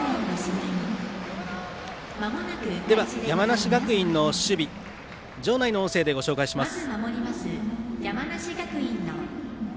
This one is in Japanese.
では、山梨学院の守備場内の音声でご紹介します。